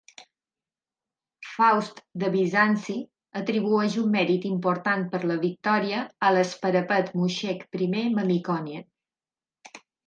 Faust de Bizanci atribueix un mèrit important per la victòria a l'sparapet Mushegh I Mamikonian.